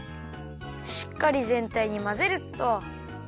しっかりぜんたいにまぜるっと。